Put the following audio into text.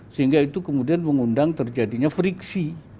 sehingga itu kemudian mengundang terjadinya friksi